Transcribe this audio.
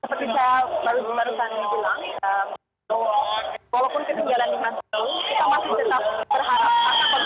walaupun ketertinggalan lima satu kita masih tetap berharap